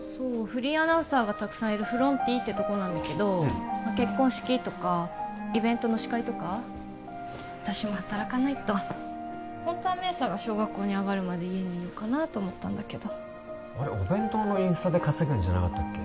フリーアナウンサーがたくさんいるフロンティってとこなんだけど結婚式とかイベントの司会とか私も働かないとホントは明紗が小学校に上がるまで家にいようかなと思ったんだけどお弁当のインスタで稼ぐんじゃなかったっけ